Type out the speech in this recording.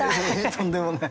とんでもない。